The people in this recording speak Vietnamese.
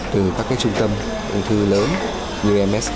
từ các trung tâm ung thư lớn như msk